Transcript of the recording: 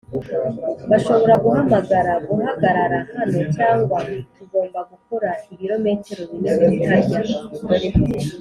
bashobora guhamagara guhagarara hano cyangwa tugomba gukora ibirometero bine tutarya.